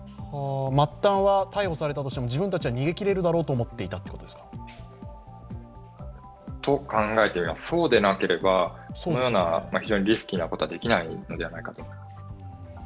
末端は逮捕されたとしても自分たちは逃げきれると思っていたということですか。と考えています、そうでなければこのような非常にリスキーなことはできないんじゃないかと思います。